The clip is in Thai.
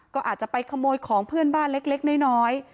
ก็อาจจะไปขโมยของเพื่อนบ้านเล็กน้อย